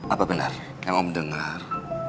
apa bener yang om denger